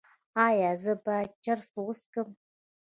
ایا زه باید چرس وڅکوم؟